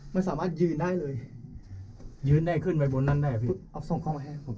ไม่สามารถยืนได้เลยยืนได้ขึ้นไปบนนั้นได้อ่ะพี่อ๊อฟส่งเข้ามาให้ผม